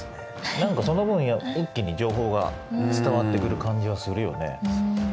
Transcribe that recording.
何かその分一気に情報が伝わってくる感じがするよね。